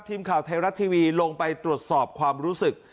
ทีมข่าวไทยรัฐทีวีลงไปตรวจสอบความรู้สึก